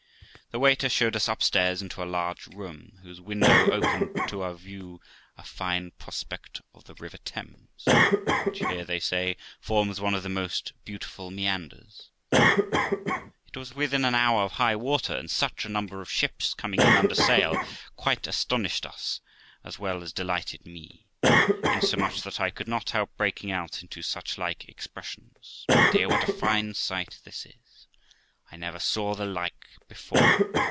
The waiter showed us upstairs into a large room, whose window opened to our view a fine prospect of the river Thames, which here, they say, forms one of the most beautiful meanders. It was within an hour of high water, and such a number of ships coming in THE LIFE OF ROXANA under sail quite astonished as well as delighted me, insomuch that I could not help breaking out into such like expressions, 'My dear, what a fine sight this is i I never saw the like before!